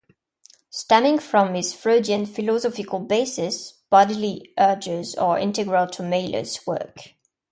Stemming from his Freudian philosophical basis, bodily urges are integral to Mailer's work.